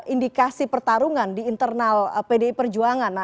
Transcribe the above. indikasi pertarungan di internal pdi perjuangan